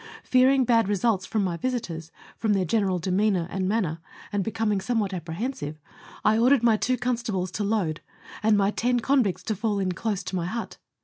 Fearing bad results from my visitors, from their general demeanour and manner, and becoming some what apprehensive, I ordered my two constables to load, and my ten convicts to fall in close to my hut.